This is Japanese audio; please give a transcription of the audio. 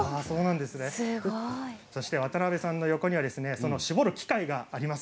渡部さんの横には搾る機械があります。